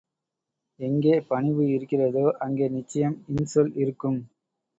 எங்கே பணிவு இருக்கிறதோ அங்கே நிச்சயம் இன்சொல் இருக்கும்.